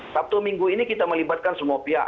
sabtu minggu ini kita melibatkan semua pihak